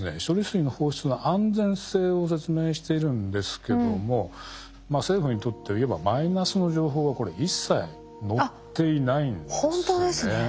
処理水の放出の安全性を説明しているんですけども政府にとっていえばマイナスの情報はこれ一切載っていないんですね。